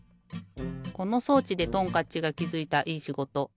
この装置でトンカッチがきづいたいいしごと。